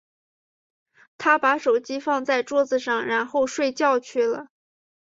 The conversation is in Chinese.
她把手机放在桌子上，然后睡觉去了。